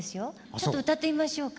ちょっと歌ってみましょうか。